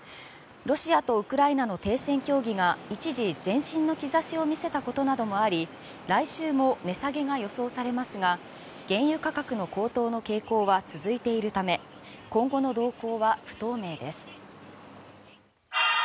ロシアとウクライナの停戦協議が一時、前進の兆しを見せたことなどもあり来週も値下げが予想されますが原油価格の高騰の傾向は続いているため今後の動向は不透明です。